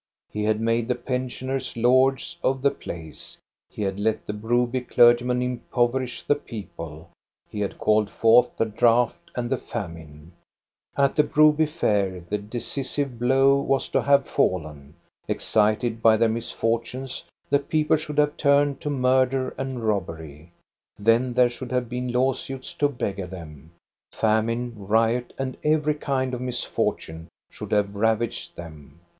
He had made the pensioners lords of the place ; he had let the Broby clergyman impov erish the people ; he had called forth the drought and the famine. At the Broby Fair the decisive blow was to have fallen. Excited by their misfortunes, the people should have turned to murder and rob bery. Then there should have been lawsuits to beggar them. Famine, riot, and every kind of mis fortune should have ravaged them.